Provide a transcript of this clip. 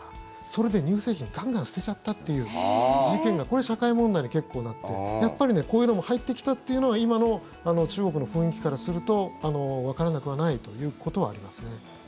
それで乳製品をガンガン捨てちゃったという事件がこれ、社会問題に結構なってやっぱりこういうのも入ってきたというのは今の中国の雰囲気からするとわからなくはないということはありますね。